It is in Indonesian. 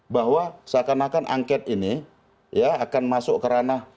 bahwa seakan akan angket ini ya akan masuk kerana